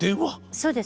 そうです。